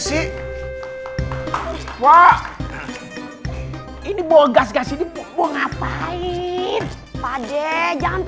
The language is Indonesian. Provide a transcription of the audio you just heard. semua santri pasti semua kebagian